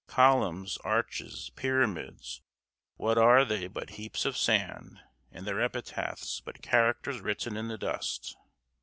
Columns, arches, pyramids, what are they but heaps of sand, and their epitaphs but characters written in the dust?